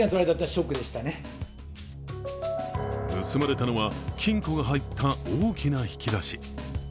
盗まれたのは金庫が入った大きな引き出し。